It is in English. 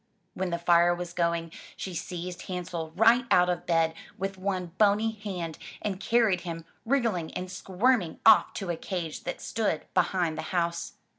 When the fire was going, she seized Hansel right out of bed with one bony hand and carried him wriggling and squirming off to a cage that stood behind the house.